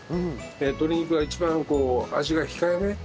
鶏肉が一番味が控えめ。